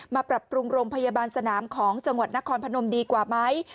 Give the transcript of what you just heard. ปรับปรุงโรงพยาบาลสนามของจังหวัดนครพนมดีกว่าไหม